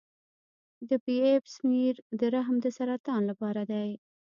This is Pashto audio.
د پی ایپ سمیر د رحم د سرطان لپاره دی.